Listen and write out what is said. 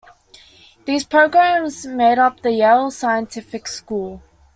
These programs made up the Yale Scientific School.